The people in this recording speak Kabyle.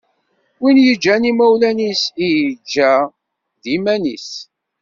Win yeǧǧan imawlan-is i yeǧǧa d iman-is.